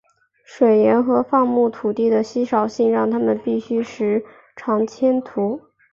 水源和放牧土地的稀少性让他们必须时常迁徙。